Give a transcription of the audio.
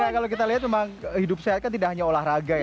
ya kalau kita lihat memang hidup sehat kan tidak hanya olahraga ya